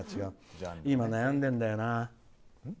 今、悩んでるんだよな。